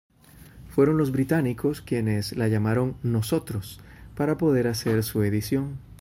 Fueron los británicos quienes la llamaron "Nosotros" para poder hacer su edición.